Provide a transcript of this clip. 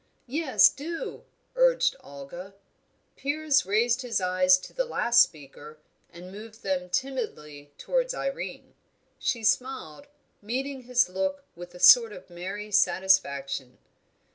"Yes, do!" urged Olga. Piers raised his eyes to the last speaker, and moved them timidly towards Irene. She smiled, meeting his look with a sort of merry satisfaction.